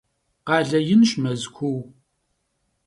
Къалэ инщ Мэзкуу.